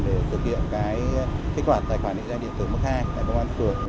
để thực hiện kích hoạt tài khoản định danh điện tử mức hai tại công an phường